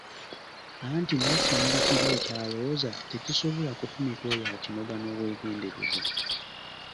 Anti n'ekimuli kiri ekya Looza tekisobola kufumita oyo akinoga n'obwegendereza!